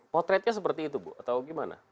potretnya seperti itu bu atau gimana